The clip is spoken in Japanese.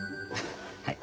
はい。